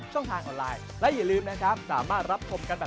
ห้อง๓๒ครับ